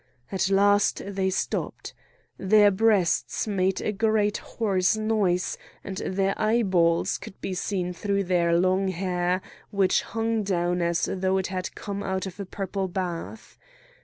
At last they stopped. Their breasts made a great hoarse noise, and their eyeballs could be seen through their long hair, which hung down as though it had come out of a purple bath.